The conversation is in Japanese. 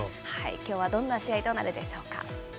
きょうはどんな試合となるでしょうか。